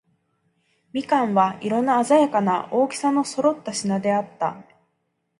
蜜柑は、色のあざやかな、大きさの揃った品であった。